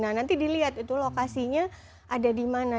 nah nanti dilihat itu lokasinya ada dimana